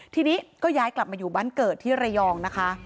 ทีนี้ก็ย้ายกลับมาอยู่บ้านเกิดที่ระยองนะคะ